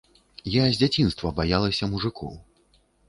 Я з дзяцінства баялася мужыкоў.